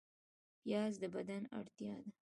پیاز د بدن اړتیا ده